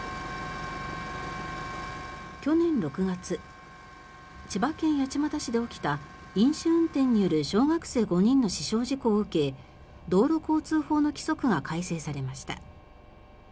去年６月千葉県八街市で起きた飲酒運転による小学生５人の死傷事故を受け道路交通法の規則が改正されました。